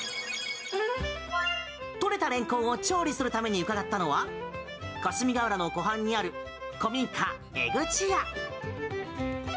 採れたレンコンを調理するために伺ったのは霞ヶ浦の湖畔にある古民家江口屋。